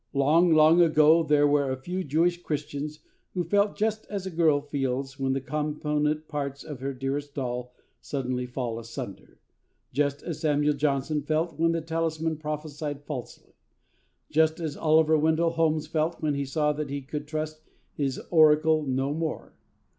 Long, long ago there were a few Jewish Christians who felt just as a girl feels when the component parts of her dearest doll suddenly fall asunder, just as Samuel Johnson felt when the talisman prophesied falsely, just as Oliver Wendell Holmes felt when he saw that he could trust his oracle no more.